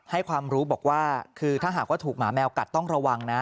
ให้ความรู้บอกว่าคือถ้าหากว่าถูกหมาแมวกัดต้องระวังนะ